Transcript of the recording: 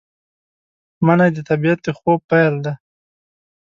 منی د طبیعت د خوب پیل دی